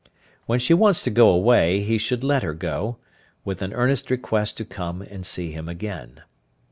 When she wants to go away he should let her go, with an earnest request to come and see him again.